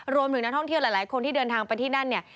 รวมถึงนักท่องเที่ยวหลายคนที่เดินทางไปที่นั่นเนี่ย